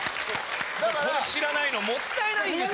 これ知らないのもったいないんですよ。